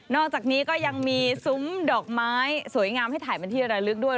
อกจากนี้ก็ยังมีซุ้มดอกไม้สวยงามให้ถ่ายเป็นที่ระลึกด้วย